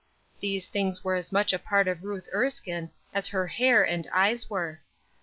These things were as much a part of Ruth Erskine as her hair and eyes were.